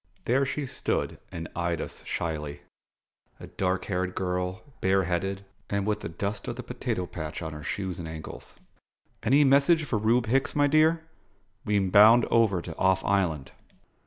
There she stood and eyed us shyly: a dark haired girl, bare headed, and with the dust of the potato patch on her shoes and ankles. "Any message for Reub Hicks, my dear? We'm bound over to Off Island."